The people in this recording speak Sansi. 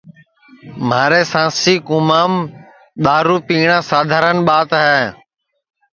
مھاری سانسی کُومام دؔارو پیٹؔا سادھارن ٻات ہے